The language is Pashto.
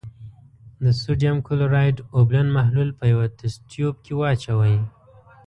د سوډیم کلورایډ اوبلن محلول په یوه تست تیوب کې واچوئ.